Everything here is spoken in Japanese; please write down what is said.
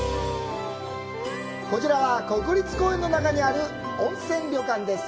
こちらは、国立公園の中にある温泉旅館です。